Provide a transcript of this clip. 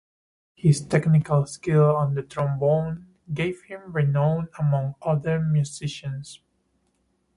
His technical skill on the trombone gave him renown among other musicians.